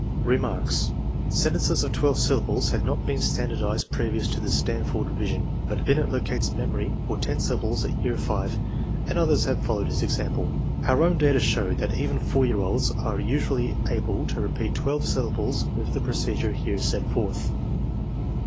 Remarks. Sentences of twelve syllables had not been standardized previous to the Stanford revision, but Binet locates memory for ten syllables at year V, and others have followed his example. Our own data show that even 4 year olds are usually able to repeat twelve syllables with the procedure here set forth.